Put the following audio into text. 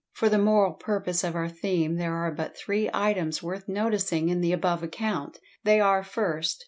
For the moral purpose of our theme, there are but three items worth noticing in the above account; they are 1st.